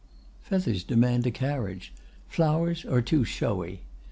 Feathers demand a carriage; flowers are too showy.